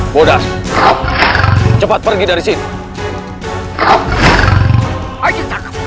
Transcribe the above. bodas cepat pergi dari sini